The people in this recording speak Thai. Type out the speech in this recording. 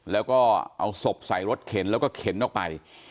แล้วก็เอาศพใส่รถเข็นแล้วก็เข็นออกไป